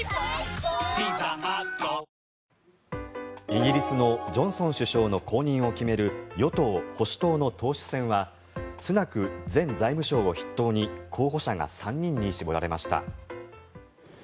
イギリスのジョンソン首相の後任を決める与党・保守党の党首選はスナク前財務相を筆頭に候補者が３人に絞られました。